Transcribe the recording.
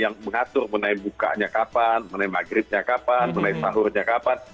yang mengatur mengenai bukanya kapan mengenai maghribnya kapan mengenai sahurnya kapan